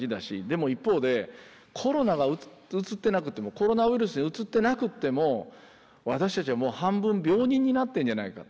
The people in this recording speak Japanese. でも一方でコロナがうつってなくてもコロナウイルスにうつってなくっても私たちはもう半分病人になってんじゃないか。